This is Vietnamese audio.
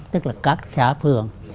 tức là các xã phường